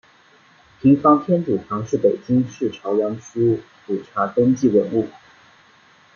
平房天主堂是北京市朝阳区普查登记文物。